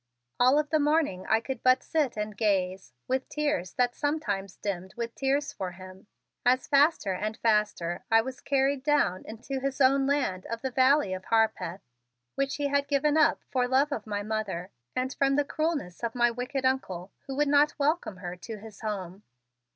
All of the morning I could but sit and gaze with eyes that sometimes dimmed with tears for him as faster and faster I was carried down into his own land of the Valley of Harpeth, which he had given up for love of my Mother and from the cruelness of my wicked Uncle who would not welcome her to his home.